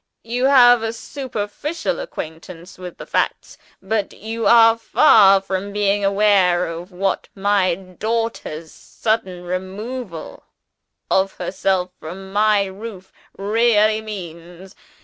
"You have a superficial acquaintance with the facts. But you are far from being aware of what my daughter's sudden removal of herself from my roof really means.